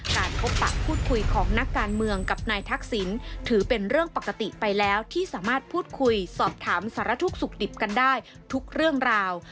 การพบปะพูดคุยของนักการเมืองกับนายทักษิณถือเป็นเรื่องปกติไปแล้วที่สามารถพูดคุยสอบถามสารทุกข์สุขดิบกันได้ทุกเรื่องราว